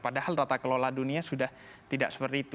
padahal tata kelola dunia sudah tidak seperti itu